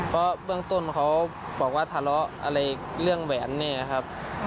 เพราะเบื้องต้นเขาบอกว่าทะเลาะอะไรเรื่องแหวนเนี่ยครับ